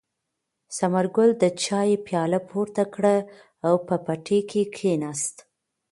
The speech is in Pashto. ثمرګل د چای پیاله پورته کړه او په پټي کې کېناست.